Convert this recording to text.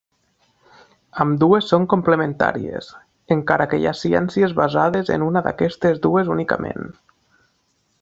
Ambdues són complementàries, encara que hi ha ciències basades en una d'aquestes dues únicament.